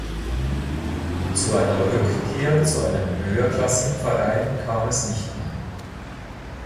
Zu einer Rückkehr zu einem höherklassigen Verein kam es nicht mehr.